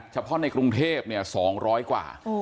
เฉพาะในกรุงเทพ๒๐๐กว่า